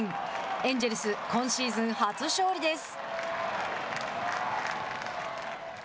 エンジェルス今シーズン初勝利です。